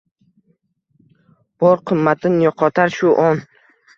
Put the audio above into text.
Bor qimmatin yoʼqotar shu on.